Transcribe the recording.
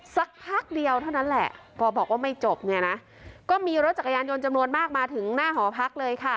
สักพักเดียวเท่านั้นแหละพอบอกว่าไม่จบเนี่ยนะก็มีรถจักรยานยนต์จำนวนมากมาถึงหน้าหอพักเลยค่ะ